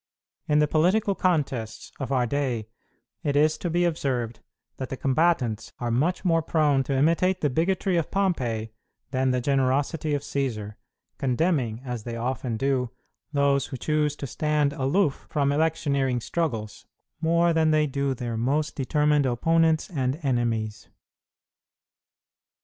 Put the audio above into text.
In the political contests of our day it is to be observed that the combatants are much more prone to imitate the bigotry of Pompey than the generosity of Cćsar, condemning, as they often do, those who choose to stand aloof from electioneering struggles, more than they do their most determined opponents and enemies.